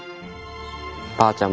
ばあちゃん